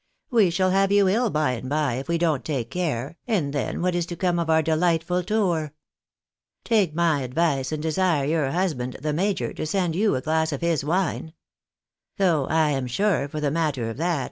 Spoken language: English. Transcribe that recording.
We shall have you ill, by and by, if we don't take care, and then what is to come of our delight ful tour ? Take my advice, and desire your husband, the major, to send you a glass of liis wine. Though I am sure, for the matter of that.